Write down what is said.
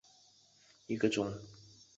卑南雀麦为禾本科雀麦属下的一个种。